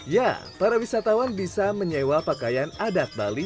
ya para wisatawan bisa menyewa pakaian adat bali